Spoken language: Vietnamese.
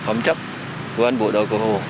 phẩm chấp của anh bộ đội cổ hồ